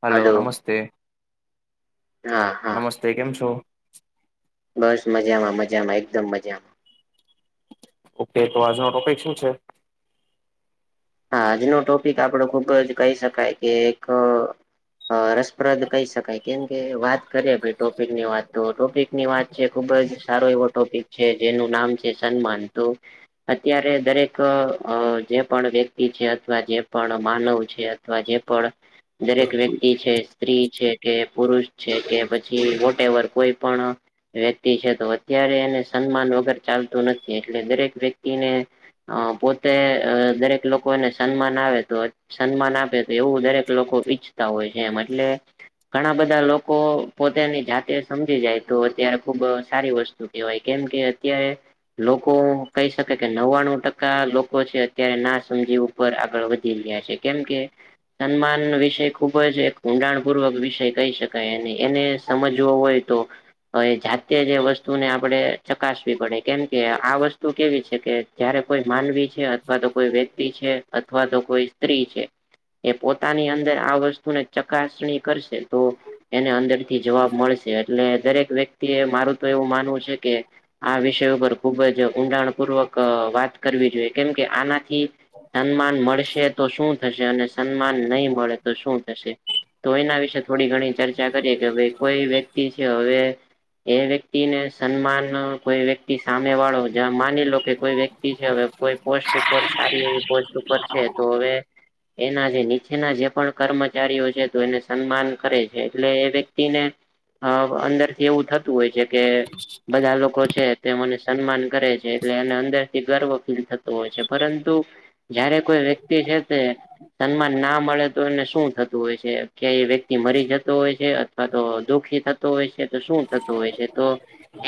Hello નમસ્તે હા હા તે કેમ છો? બસ મજામાં મજામાં એકદમ મજામાં ઓકે તો આજનો ટોપિક શું છે? હા આજનો ટોપિક આપડો ખુબ જ કહી શકાય કે એક અ રસપ્રદ કહી શકાય કેમ કે વાત કરીએ ભાઈ ટોપિક ની વાત તો ટોપિક ની વાત છે ખુબ જ સારો એવો ટોપિક છે. જેનું નામ છે સન્માન તો અત્યારે દરેક અ જે પણ વ્યક્તિ ઈ છે અથવા જે પણ માનવ છે અથવા જે પણ દરેક વ્યક્તિ છે. સ્ત્રી છે કે પુરુષ છે કે પછી વોટેવર કોઈ પણ વ્યક્તિ છે તો અત્યારે એને સન્માન વગર ચાલતું નથી એટલે દરેક વ્યક્તિને અ પોતે અ દરેક લોકો કોને સન્માન આવે તો સન્માન આપે તો એવું દરેક લોકો ઈચ્છતા હોય છે એમ એટલે ઘણા બધા લોકો પોતેની જાતે સમજી જાય તો અત્યારે ખુબ સારી વસ્તુ એવાય કેમ કે અત્યારે લોકો કહી શકે કે નવ્વાણું ટકા લોકો છે અત્યારે નાશ પહેલી ઉપર આગળ વધી રહ્યા છે કેમ કે સન્માન વિષય ખુબ જ એક ઊંડાણ પૂર્વક વિષય કહી શકાય અને એને સમજવો હોય તો. હ એ જાતે જે વસ્તુને આપણેે ચકાસવી પડે કેમ કે આ વસ્તુ કેવી છે કે જયારે કોઈ માનવી છે અથવા તો કોઈ વ્યક્તિ છે અથવા તો કોઈ સ્ત્રી છે. એ પોતાની અંદર આ વસ્તુને ચકાસણી કરશે તો એને અંદર થી જવાબ મળશે એટલે દરેક વ્યક્તિ એ મારું તો એવું માનવું છે કે. આ વિષય ઉપર ખુબ જ ઊંડાણ પૂર્વક વાત કરવી જોઈએ કેમ કે આનાથી સન્માન મળશે તો શું થશે અને સન્માન નહી મળે તો શું થશે તો એના વિશે થોડી ઘણી ચર્ચા કરીએ કે ભાઈ કોઈ વ્યક્તિ છે હવે એ વ્યક્તિને સન્માન કોઈ વ્યક્તિ સામે વાળો જ માની લો કે કોઈ વ્યક્તિ છે અવે કોઈ પોસ્ટ ઉપર સારી એવી પોસ્ટ ઉપર છે તો હવે એના જે નીચેના જે પણ કર્મચારીઓ છે તો એને સન્માન કરે છે એટલે એ વ્યક્તિને અ અંદર થી એવું થતું હોય છે કે. બધા લોકો છે તે મને સન્માન કરે છે એટલે એને અંદરથી ગર્વ ફીલ થતો હોય છે પરંતુ જયારે કોઈ વ્યક્તિ છે તે સન્માન ના મળે તો એને શું થતું હોય છે. કે એ વ્યક્તિ મરી જતો હોય છે અથવા તો દુખી થતો હોય છે તો શું થતું હોય છે તો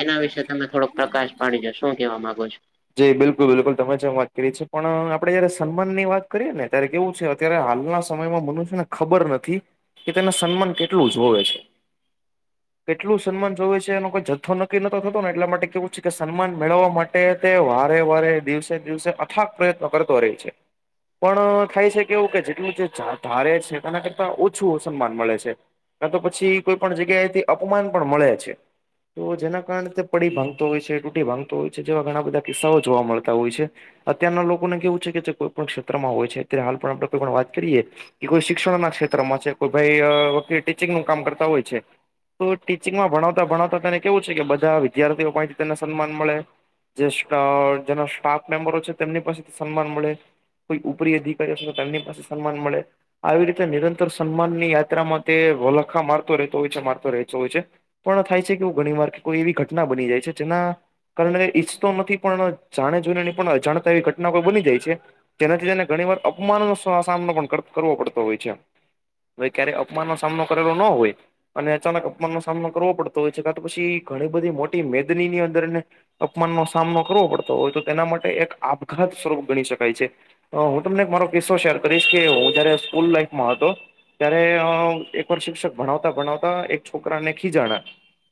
એના વિશેે તમે થોડોક પ્રકાશ પાડીદો શું કેહેવા માંગો છો જી બિલકુલ બિલકુલ તમે જેમ વાત કરી છી પણ આપણે જયારે સન્માન ની વાત કરીએ ને ત્યારે કેવું છે અત્યારે હાલના સમયમાં મનુષ્યને ખબર નથી કે તેને સન્માન કેટલું જોવે છે. [inaudible] કેટલું સન્માન જોવે છે એનો કોઈ જથ્થો નક્કી નતો થતો ને એટલા માટે કેવું છે કે સન્માન મેળવવા માટે તે વારે વારે દિવસે દિવસે અથાગ પ્રયત્ન કરતો રહે છે. પણ થાય છે કેવું કે જેટલું જે ધારે છે તેના કરતા ઓછું સન્માન મળે છે. કા તો પછી કોઈ પણ જગ્યા એથી અપમાન પણ મળે છે. તો જેના કારણે તે પડી ભાંગતો હોય છે તૂટી ભાંગતો હોય છે જેવા ઘણા બધા તે કિસ્સાઓ જોવા મળતા હોય છે. અત્યારના લોકોને કેવું છે કે જે કોઈ પણણ ક્ષેત્રમાં હોય છે તે હાલ પણ આપડે કોઈ વાત કરીએ કે કોઈ શિક્ષણ ના ક્ષેત્રમાં છે કોઈ ભાઈ વકીલ ટીચિંગ નું કામ કરતા હોય છે. તો ટીચિંગમાં ભણાવતા ભણાવતા તેને કેવું છે કે બધા વિદ્યાર્થીઓ પાસે થી તેને સન્માન મળે. જે સ્કા જેના સ્ટાફ મેમ્બરો છે તેમની પાસેથી સન્માન મળે. કોઈ ઉપરી અધિકારી હશે તો તેમની પાસે સન્માન મળે. આવી રીતે નિરંતર સન્માનની યાત્રામાં તે વ વલખા મારતો રહેતો હોય છે મારતો રહેતો હોય છે. પણ થાય છે કેવું ઘણી વાર કોઈ એવી ઘટના બની જાય છે જેના કારણે તો નથી પણ જાણે જોને પણ અજાણતા એવી ઘટના કોઈ બની જાય છે. તેનાથી તેને ઘણી વાર અપમાનનો સ સામનો પણ કર કરવો પડતો હોય છે. ભાઈ ક્યારે અપમાન નો સામનો કરેલો ન હોય. અને અચાનક અપમાનનો સામનો કરવો પડતો હોય છે કા તો પછી ઘણી બધી મોટી મેદની ની અંદર એને અપમાનનો સામનો કરવો પડતો હોય તો તેના માટે એક આપઘાત સ્વરૂપ ગણી શકાય છે. હું તમને એક મારો કિસ્સો શેર કરીશ કે હું જયારે સ્કૂલ લાઈફમાં હતો ત્યારે અ એકવાર શિક્ષક ભણાવતા ભણાવતા એક છોકરા ને ખીજાણા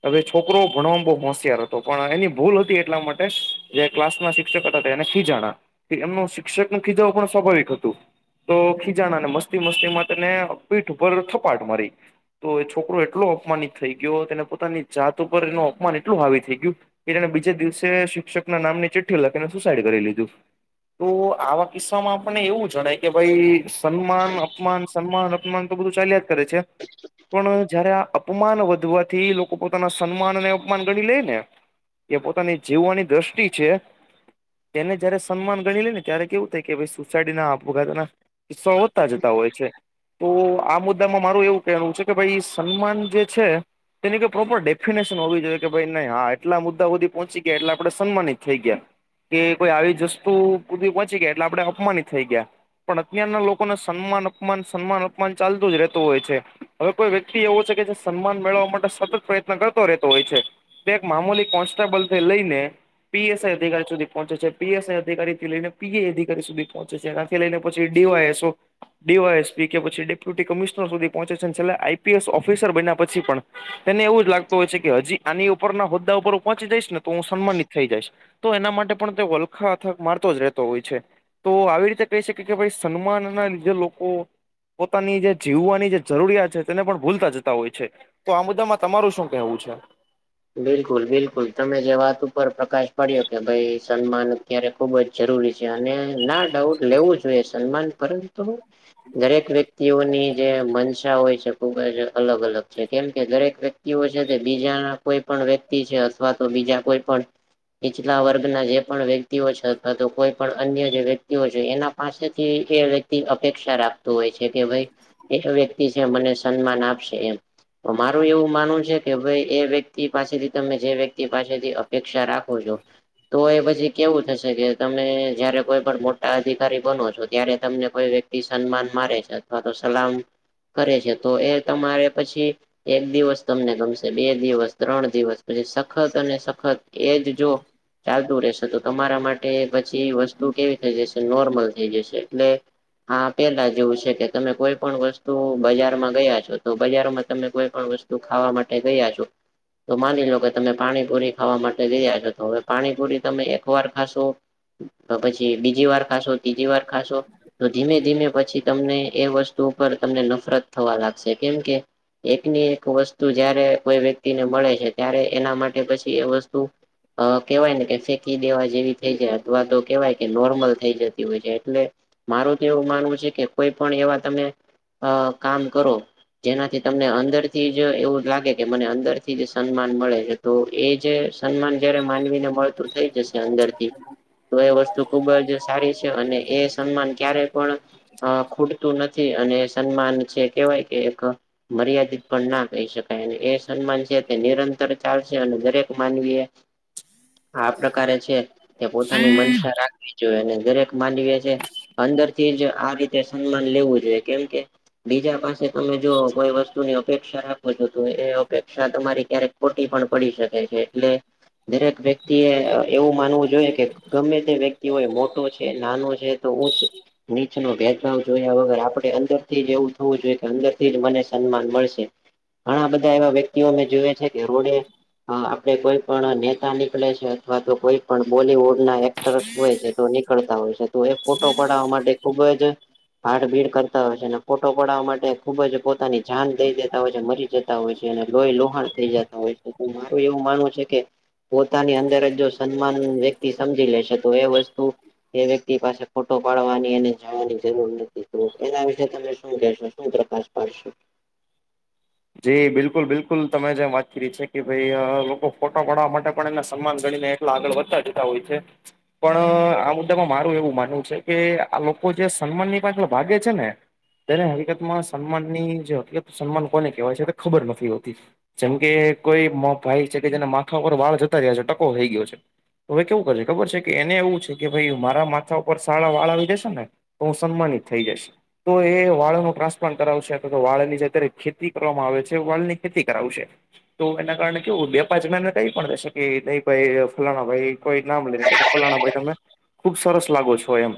હવે છોકરો ભણવામાં બહુ હોશિયાર હતો પણ એની ભૂલ હતી એટલા માટે [unintelligible] જે ક્લાસમાં શિક્ષકો હતા તેને ખીજાણા એમનું શિક્ષક નું ખીજાવું પણ સ્વાભાવિક હતું. તો ખીજાણા ને મસ્તી મસ્તીમાં તેને પીઠ ઉપર થપાટ મારી. તો એ છોકરો એટલો અપમાનિત થઈ ગ્યો તેને પોતાની જાત ઉપર એનું અપમાન એટલું હાવી થઈ ગ્યું કે તેણે બીજે દિવસે શિક્ષક ના નામની ચિઠ્ઠી લખીને સુસાઈડ કરી લીધું. તો આવા કિસ્સામાં આપણે એવું જણાય કે ભઈ સન્માન અપમાન સન્માન અપમાન તો બધું ચાલ્યા જ કરે છે પણ જ્યારે આ અપ માન વધવાથી લોકો પોતાના સન્માન અને અપમાન ગણી લે ને એ પોતાની જીવાની દ્રષ્ટિ છે. તેને જયારે સન્માન ગણી લે ને ત્યારે કેવું થાય કે ભઈ સુસાઈડ ને આપઘાતા ના કિસ્સો વધતા જતા હોય છે. તો આ મુદ્દામાં મારું એવું કેહવું છે કે ભાઈ સન્માન જે છે તેની કોઈ પ્રોપર ડેફિનેશન હોવી જોઈએ કે ભાઈ હા એટલા મુદ્દા હુદી પહોચી ગ્યા એટલે આપડે સન્માનિત થઈ ગ્યા કે કોઈ આવી જ વસ્તુ હુદિ પહોંચી ગ્યા એટલે આપડે અપમાનિત થઈ ગ્યા પણ અત્યારના લોકોને સન્માન અપમાન સન્માન અપમાન ચાલતું જ રહેતું હોય છે. હવે કોઈ વ્યક્તિ એવો છે કે જે સન્માન મેળવવા માટે સતત પ્રયત્ન કરતો રહેતો હોય છે. તે એક મામૂલી કોન્સ્ટેબલ થી લઈને પી. એસ. આઈ. અધિકારી સુધી પોહોંચે છે પી. એસ. આઈ. અધિકારીથી લઈને પી. એ. અધિકારી સુધી પહોંચે છે આ થી લઈને પછી D. Y. S. O. D. Y. S. P. કે પછી ડેપ્યુટી કમિશનર સુધી પહોંચે છે છેલ્લે આઈ. પી. એસ. ઓફિસર બન્યા પછી પણ તેને એવું જ લાગતું હોય છે કે હજી આની ઉપરના હોદ્દા ઉપર પહોંચી જઈશ ને તો હું સન્માનિત થઈ જાયશ તો એના માટે પણ તે વલખા અથક મારતો જ રહેતો હોય છે. તો આવી રીતે કહી શકી કે ભાઈ સન્માન ના લીધે લોકો પોતાની જે જીવવાની જે જરૂરિયાત છે તેને પણ ભૂલતા જતા હોય છે. તો આ મુદ્દામાં તમારું શું કેહેવું છે? બિલકુલ બિલકુલ તમે જે વાત ઉપર પ્રકાશ પાડ્યો કે ભાઈ સન્માન અત્યારે ખુબ જ જરૂરી છે અને ના ડાઉટ લેવું જોઈએ સન્માન પરંતુ દરેક વ્યક્તિઓની જે મનસા હોય છે ખુબ જ અલગ અલગ છે કેમ કે દરેક વ્યક્તિઓ છે તે બીજાના કોઈ પણ વ્યક્તિ છે અથવા તો બીજા કોઈ પણ નીચલા વર્ગના જે પણ વ્યક્તિઓ છે અથવા તો કોઈ પણ અન્ય જે વ્યક્તિઓ છે એના પાસેથી એ વ્યક્તિ અપેક્ષા રાખતું હોય છે કે ભઈ એ વ્યક્તિ છે મને સન્માન આપશે એમ મારું એવું માનવું છે કે ભાઈ એ વે તી પાસેથી તમે જે વ્યક્તિ પાસેથી અપેક્ષા રાખો છો તો એ પછી કેવું થશે કે તમે જયારે કોઈ પણ મોટા અધિકારી બનો છો ત્યારે તમને કોઈ વ્ય ક્તિ સન્માન મારે છે અથવા તો સલામ કરે છે તો એ તમારે પછી એક દિવસ તમને ગમશે બે દિવસ ત્રણ દિવસ પછી સખત અને સખત એજ જો ચાલતું રહેશે તો તમારા માટે પછી વસ્તુ કેવી થઈ જશે નોર્મલ થઈ જશે એટલે હા પેલા જેવું છે કે તમે કોઈ પણ વસ્તુ બજારમાં ગયા છો તો બજારમાં તમે કોઈ પણ વસ્ તું ખાવા માટે ગયા છો તો માની લો કે તમે પાણીપુરી ખાવા માટે ગયા છો તો હવે પાણીપુરી તમે એક વાર ખાશો તો પછી બીજી વાર ખાશો ત્રીજી વાર ખાશો તો ધીમે ધીમે પછી તમને એ વસ્તુ ઉપર તમને નફરત થવા લાગશે કેમ કે એકની એક વસ્તુ જ્યારે કોઈ વ્યક્તિને મળે છે ત્યારે એના માટે પછી એ વસ્તુ અ કેવાય ને કે ફેંકી દેવા જેવી થઈ જાય અથવા તો કેહેવાય કે નોર્મલ થઈ જતી હોય છે એટલે મારું તો એવું માનવું છે કે કોઈ પણ એવા તમે અ કામ કરો જેનાથી તમને અંદર થી જ એવું લાગે કે મને અંદર થી જે સન્માન મળે છે તો એ જે સન્માન જ્યારે માનવીને મળતું થઈ જશે અંદરથી તો એ વસ્તુ ખુબ જ સારી છે અને એ સન્માન ક્યારેય પણ ખૂટતું નથી. અને સન્માન છે કેવાય કે એક મર્યાદિત પણ ના કહી શકાય એ સન્માન. તે નિરંતર ચાલશે અને દરેક માનવી એ. આ પ્રકારે છે તે પોતાની મનશા રાખવી જોઈએ અને દરેક માનવી છે. અંદર થી જ આ રીતે સન્માન લેવું જોઈએ કેમ કે. બીજા પાસે તમે જો કોઈ વસ્તુ ની અપેક્ષા રાખો છો તો એ અપે. શકા તમારી ક્યારેક ખોટી પણ પડી શકે છે એટલે. દરેક વ્યક્તિએ એવું માનવું જોઈએ કે ગમે તે વ્યક્તિ હોય મોટો છે નાનો છે. તો ઊંચ. નીચનો ભેદભાવ જોયા વગર આપણે અંદરથી જ એવું થવું જોઈએ કે અંદરથી જ મને સન્માન મળશે. ઘણા બધા એવા વ્યક્તિઓ મેં જોએ છે કે રોડે. હા આપડે કોઈ પણ નેતા નીકળે છે અથવા તો કોઈપણ બોલીવુડ. ના એક્ટર્સ હોય છે તો નીકળતા હોય છે તો એક ફોટો પડાવવા માટે ખુબ જ. ભાડ ભીડ કરતા હોય છે અને ફોટો પડવા માટે ખુબ જ પોતાની જાન દઈ દેતા હોય છે મરી જતા હોય છે અને. લોહી લોહાણ થઈ જતા હોય છે તો મારું એવું માનવું છે કે. પોતાની અંદર જ જો સન્માન વ્યક્તિ સમજી લેશે તોએ વસ્તુ. એ વ્યક્તિ પાસે ફોટો પાડવાની અને જવાની જરૂર નથી તો એના વિશે તમે શું કેહેશો શું પ્રકાર. પર્શ. જી બિલકુલ બિલકુલ તમે જેમ વાત કરી છે કે ભાઈ લોકો ફોટો પાડવા માટે પણ એને સન્માન ગણીને. આગળ વધતા જતા હોય છે. [unintelligible] પણ આ મુદ્દામાં મારું એવું માનવું છે કે આ લોકો જે સન્માનની પાછળ ભાગે છે ને. ત્યારે હકીકતમાં સન્માનની જે હકીકત સન્માન કોને કહેવાય છે તે ખબર નથી હોતી. જેમ કે કોઈ ભાઈ છે કે જેના માથા ઉપર વાળ જતા રહ્યા છે ટકો થઈ ગયો છે. તો હવે કેવું કરે ખબર છે કે એને એવું છે કે ભાઈ મારા માથા ઉપર સારા વાળા આવી જશેને. તો હું સન્માનિત થઈ જશ તો એ વાળનો ટ્રાસપ્લાન્ટ કરાવશે અથવા તો વાળ ની અત્યારે ખેત. ખેતી કરવામાં આવે છે વાળની ખેતી કરાવશે. તો એના કારણે કેવું બે પાંચ જણા એને કંઈ પણ થશે કે નહી ભાઈ ફલાણા ભાઈ કોઈ નામ લેને. ફલાણા ભાઈ તમે ખુબ સરસ લાગો છો એમ.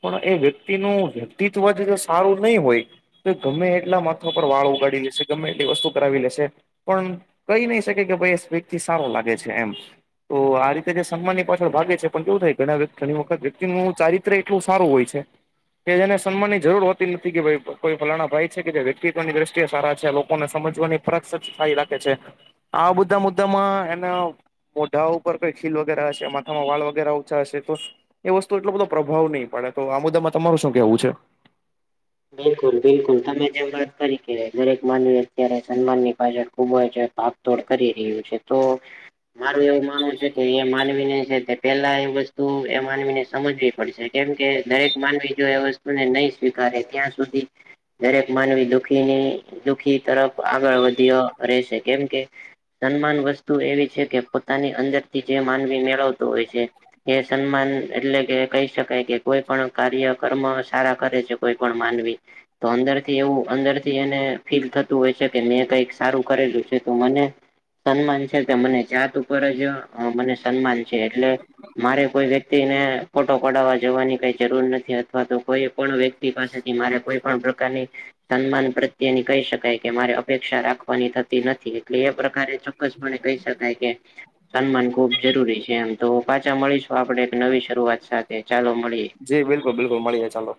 પણ એ વ્યક્તિનું વ્યક્તિત્વ જ સારું નહીં હોય. તો ગમે એટલા માથો પર વાળ ઉગાડ. લે ગમે તે વસ્તુ કરાવી લેશે. પણ કંઈ નહી શકે કે ભાઈ એ વ્યક્તિ સારો લાગે છે એમ. તો આ રીતે જે સન્માનની પાછળ ભાગે છે પણ કેવું થાય ઘણા ઘણી વખત વ્યક્તિનું સારી. એટલું સારું હોય છે. કે જેને સન્માનની જરૂર હોતી નથી કે ભાઈ કોઈ ફલાણા ભાઈ છે કે જે વ્યક્તિત્વની દ્રષ્ટિ. સારા છે લોકોને સમજવાની ફરક સારી લાગે છે આ બધા મુદ્દામાં એના. મોઢા ઉપર કંઈ ખીલ વગેરે હશે માથામાં વાળ વગેરે ઓછા હશે તો. એ વસ્તુ એટલો બધો પ્રભાવ નહીં પડે તો આ મુદ્દામાં તમારું શું કેવું છે. બિલકુલ બિલકુલ તમે જેમ વાત કરી કે દરેક માનવી અત્યારે સન્માનની પાછળ ખુબ હોય. તોડ કરી રહ્યું છે તો. મારું એવું માનવું છે કે એ માનવીને છે પેલા એ વસ્તુએ માનવીને સમજવી પડશે. કેમ કે દરેક માનવી જોએ વસ્તુને નહીં સ્વીકારે ત્યાં સુધી. દરેક માનવી દુઃખીની દુખી તરફ આગળ વધ્યો રહેશે કેમકે. સન્માન વસ્તુ એવી છે કે પોતાની અંદરથી જે માનવી મેળવતો હોય છે. એ સન્માન એટલે કે કહી શકાય કે કોઈ પણ કાર્ય કર્મ સારા કરે છે કોઈ. પણ માનવી. તો અંદરથી એવું અંદરથી એને ફીલ થતું હોય છે કે મેં કંઈક સારું કરેલું છે તો મને. સન્માન છે કે મને જાત ઉપરજ મને સન્માન છે એટલે. મારે કોઈ વ્યક્તિને ફોટો પડાવવા જવાની કઈ જરૂર નથી અથવા તો કોઈ પણ વ્યક્તિ. એ પાસેથી મારે કોઈપણ પ્રકારની સન્માન પ્રત્યેની કહી શકાય કે મારે અપેક્ષા રાખવાની થતી નથી એટલે એ પ્રકારે ચોક્કસ કોને કહી શકાય કે, સન્માન ખુબ જરૂરી છે, એમ તો પાછા મળીશું આપણે એક નવી શરૂઆત સાથે ચાલો મળીએ. જી બિલકુલ બિલકુલ મળીએ ચાલો.